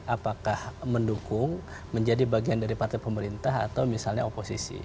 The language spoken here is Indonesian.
apakah mendukung menjadi bagian dari partai pemerintah atau misalnya oposisi